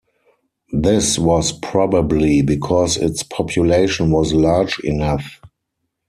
This was probably because its population was large enough.